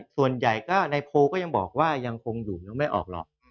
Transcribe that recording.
ส่วนใหญ่ก็ในโพลก็ยังบอกว่ายังคงอยู่ยังไม่ออกหรอก